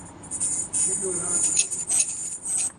penhorados